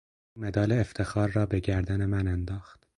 او مدال افتخار را به گردن من انداخت